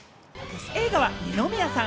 映画は二宮さん